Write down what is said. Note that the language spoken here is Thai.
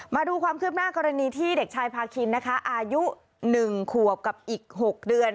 มาดูความคืบหน้ากรณีที่เด็กชายพาคินนะคะอายุ๑ขวบกับอีก๖เดือน